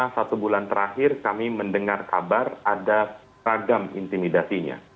satu bulan terakhir kami mendengar kabar ada ragam intimidasinya